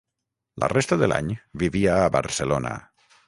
La resta de l'any vivia a Barcelona.